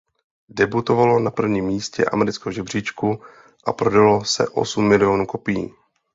Debutovalo na prvním místě amerického žebříčku a prodalo se osm milionů kopií.